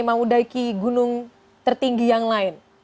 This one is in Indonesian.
ada mimpi lagi mau hidup di gunung tertinggi yang lain